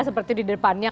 seperti di depannya